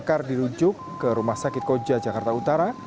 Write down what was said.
luka bakar dirujuk ke rumah sakit koja jakarta utara